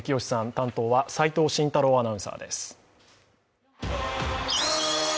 担当は齋藤慎太郎アナウンサーです。